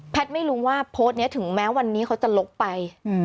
ไม่รู้ว่าโพสต์นี้ถึงแม้วันนี้เขาจะลบไป